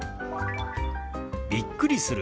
「びっくりする」。